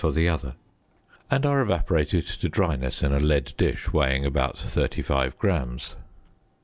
for the other) and are evaporated to dryness in a lead dish weighing about 35 grams.